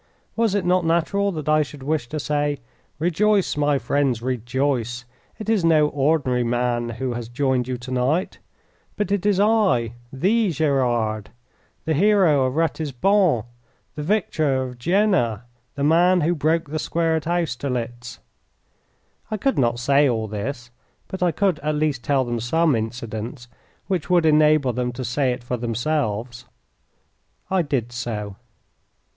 Was it not natural that I should wish to say, "Rejoice, my friends, rejoice! It is no ordinary man who has joined you to night, but it is I, THE Gerard, the hero of Ratisbon, the victor of Jena, the man who broke the square at Austerlitz"? I could not say all this. But I could at least tell them some incidents which would enable them to say it for themselves. I did so.